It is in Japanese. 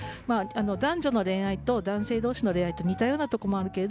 男女の恋愛と男性同士の恋愛と似たようなところもあるけど